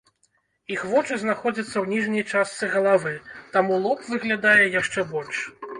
Іх вочы знаходзяцца ў ніжняй частцы галавы, таму лоб выглядае яшчэ больш.